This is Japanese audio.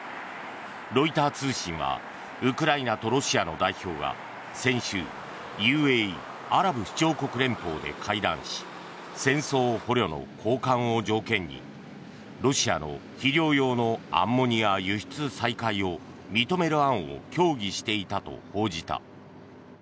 ロイター通信はウクライナとロシアの代表が先週、ＵＡＥ・アラブ首長国連邦で会談し戦争捕虜の交換を条件にロシアの肥料用のアンモニア輸出再開を認める案を協議していたと報じた。